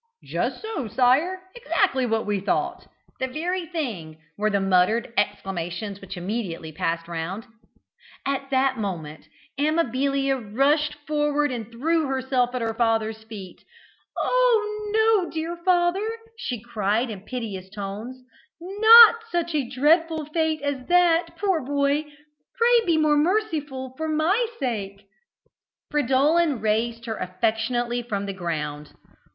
"Just so, sire." "Exactly what we thought." "The very thing," were the muttered exclamations which immediately passed round. At this moment, Amabilia, rushed forward and threw herself at her father's feet. "Oh, no! dear father," she cried in piteous tones; "not such a dreadful fate as that, poor boy. Pray be more merciful, for my sake." Fridolin raised her affectionately from the ground.